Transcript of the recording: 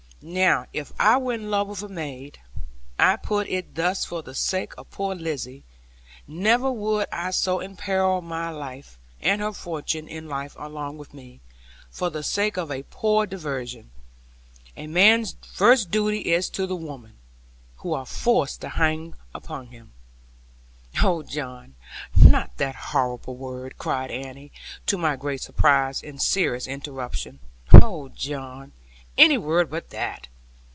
Now if I were in love with a maid' I put it thus for the sake of poor Lizzie 'never would I so imperil my life, and her fortune in life along with me, for the sake of a poor diversion. A man's first duty is to the women, who are forced to hang upon him' 'Oh, John, not that horrible word,' cried Annie, to my great surprise, and serious interruption; 'oh, John, any word but that!'